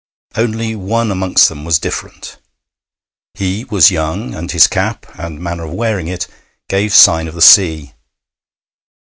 Only one amongst them was different. He was young, and his cap, and manner of wearing it, gave sign of the sea.